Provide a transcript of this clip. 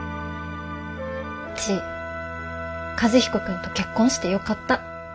うち和彦君と結婚してよかった。